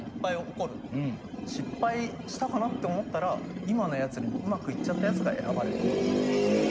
失敗したかなって思ったら今のやつよりもうまくいっちゃったやつが選ばれた。